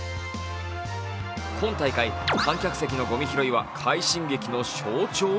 今大会、観客席のごみ拾いは快進撃の象徴？